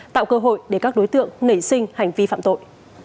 tạo cơ hội để các đối tượng nảy sinh hành vi phạm tội